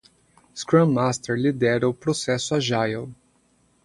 Scrum Master lidera o processo Agile.